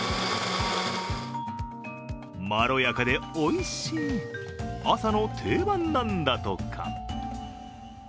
まろやかでおいしい、朝の定番なんだとか。